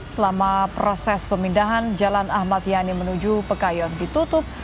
selama proses pemindahan jalan ahmad yani menuju pekayon ditutup